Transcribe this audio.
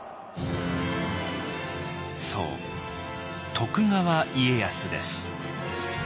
そう徳川家康です。